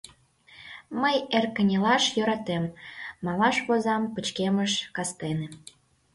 — Мый эр кынелаш йӧратем, малаш возам пычкемыш кастене.